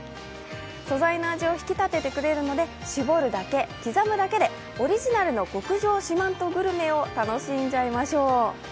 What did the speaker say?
素材の味を引き立ててくれるので、しぼるだけ、刻むだけでオリジナルの極上四万十グルメを楽しんじゃいましょう。